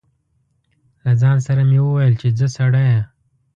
له ځان سره مې و ویل چې ځه سړیه.